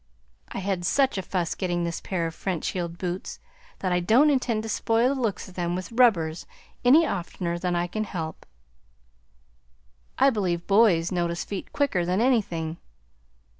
I had such a fuss getting this pair of French heeled boots that I don't intend to spoil the looks of them with rubbers any oftener than I can help. I believe boys notice feet quicker than anything.